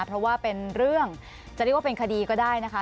เพราะว่าเป็นเรื่องจะเรียกว่าเป็นคดีก็ได้นะคะ